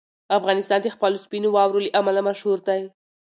افغانستان د خپلو سپینو واورو له امله مشهور دی.